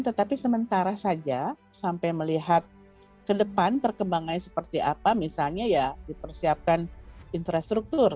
tetapi sementara saja sampai melihat ke depan perkembangannya seperti apa misalnya ya dipersiapkan infrastruktur